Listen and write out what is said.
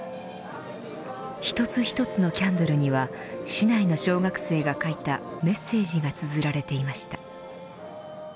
一つ一つのキャンドルには市内の小学生が書いたメッセージがつづられていました。